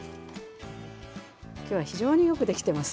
今日は非常によくできています。